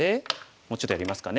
もうちょっとやりますかね。